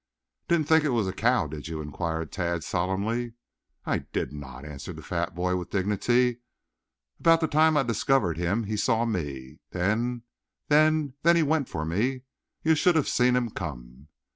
"Didn't think it was a cow, did you?" inquired Tad solemnly. "I did not," answered the fat boy with dignity. "About the time I discovered him he saw me. Then then then he went for me. You should have seen him come!"